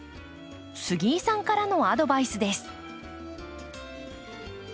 杉井さんからのアドバイスです。